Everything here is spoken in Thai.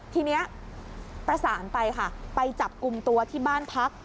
ทีนี้ประสานไปค่ะไปจับกลุ่มตัวที่บ้านพัก